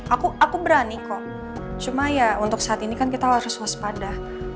aku aku berani kok cuma ya untuk saat ini kan kita harus waspada